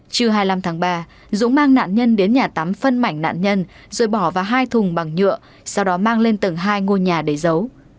trưa hai mươi năm tháng ba dũng mang nạn nhân đến nhà tắm phân mảnh nạn nhân rồi bỏ vào hai thùng bằng nhựa sau đó mang lên tầng hai ngôi nhà để giấu